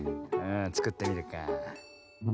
つくってみるか。